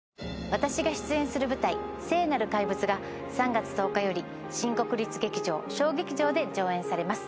私が出演する舞台『聖なる怪物』が３月１０日より新国立劇場小劇場で上演されます。